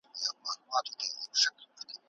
که څوک په زور مجبور سي، عقيده نه ټينګېږي.